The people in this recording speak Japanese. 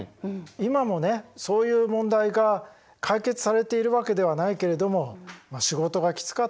今もねそういう問題が解決されているわけではないけれども仕事がきつかったわけだ。